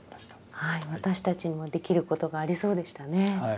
はい私たちにもできることがありそうでしたね。